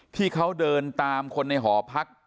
ที่เขาเดินตามคนในหอพัก